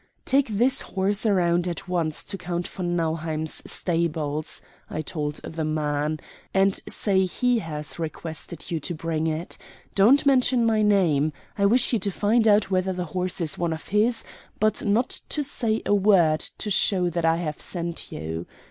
"Take this horse round at once to Count von Nauheim's stables," I told the man, "and say he has requested you to bring it. Don't mention my name. I wish you to find out whether the horse is one of his, but not to say a word to show that I have sent you.